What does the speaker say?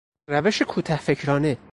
روش کوته فکرانه